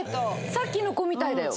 さっきの子みたいだよ。